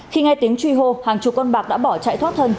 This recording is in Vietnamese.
khi nghe tiếng truy hô hàng chục con bạc đã bỏ chạy thoát thân